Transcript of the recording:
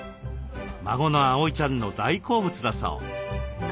孫の碧ちゃんの大好物だそう。